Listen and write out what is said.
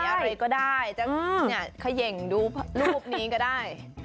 ถ่ายอะไรก็ได้ขยังดูรูปนี้ก็ได้